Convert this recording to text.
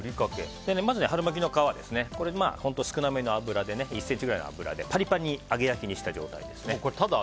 まず、春巻きの皮は本当に少なめの油１ｃｍぐらいの油でパリパリに揚げ焼きにした状態です。